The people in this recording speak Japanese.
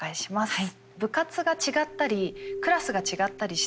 はい。